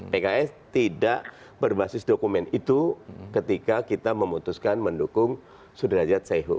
pks tidak berbasis dokumen itu ketika kita memutuskan mendukung sudrajat sehu